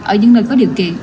ở những nơi có điều kiện